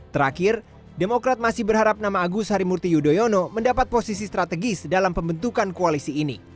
terakhir demokrat masih berharap nama agus harimurti yudhoyono mendapat posisi strategis dalam pembentukan koalisi ini